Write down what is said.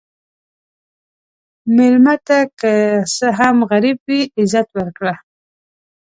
مېلمه ته که څه هم غریب وي، عزت ورکړه.